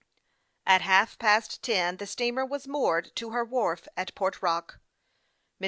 At half past ten the steamer was moored to her wharf at Port Rock. Mr.